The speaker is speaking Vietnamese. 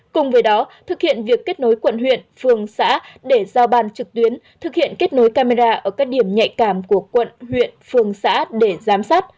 cùng với đó thực hiện việc kết nối quận huyện phường xã để giao ban trực tuyến thực hiện kết nối camera ở các điểm nhạy cảm của quận huyện phường xã để giám sát